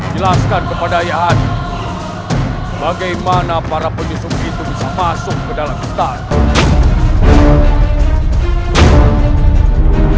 jelaskan kepada yahudi bagaimana para penyusup itu bisa masuk ke dalam kentang